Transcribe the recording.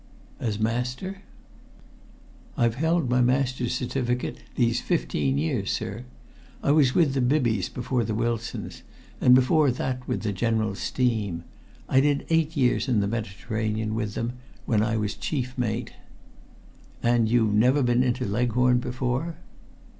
"As master?" "I've held my master's certificate these fifteen years, sir. I was with the Bibbys before the Wilsons, and before that with the General Steam. I did eight years in the Mediterranean with them, when I was chief mate." "And you've never been into Leghorn before?"